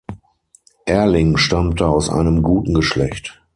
Erling stammte aus einem guten Geschlecht.